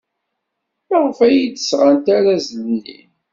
Maɣef ay d-sɣant arazal-nni?